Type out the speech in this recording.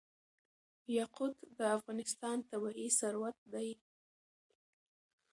یاقوت د افغانستان طبعي ثروت دی.